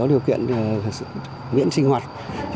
có điều kiện miễn sinh hoạt